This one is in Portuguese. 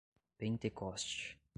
Pentecoste